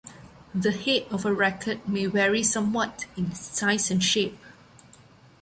The head of a racquet may vary somewhat in size and shape.